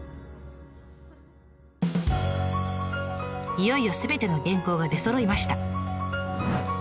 いよいよすべての原稿が出そろいました。